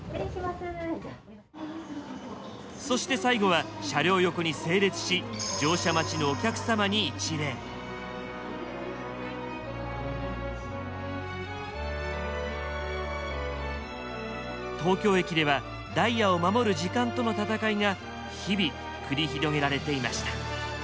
そして最後は車両横に整列し東京駅ではダイヤを守る時間との闘いが日々繰り広げられていました。